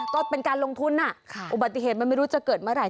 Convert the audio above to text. ก็เป็นการลงทุนอุบัติเหตุมันไม่รู้จะเกิดเมื่อไหร